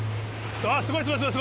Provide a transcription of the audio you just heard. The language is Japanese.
すごい、すごい、すごい！